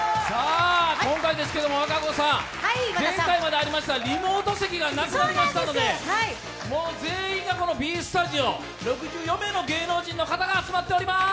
今回ですけれども、前回までありましたリモート席がなくなりましたので、もう全員がＢスタジオ、６４名の芸能人の方が集まっております！